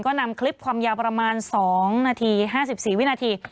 ก็นำคลิปความยาวประมาณ๒นาที๕๔วินาที